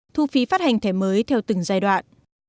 thu phí phát hành thẻ mới theo từng giai đoạn